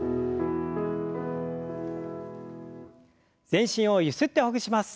全身をゆすってほぐします。